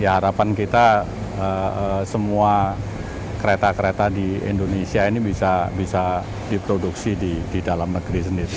harapan kita semua kereta kereta di indonesia ini bisa diproduksi di dalam negeri sendiri